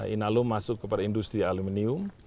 inalum masuk kepada industri aluminium